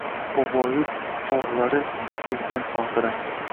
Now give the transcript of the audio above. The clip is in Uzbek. Boboyurt bog’lari sizdan xotira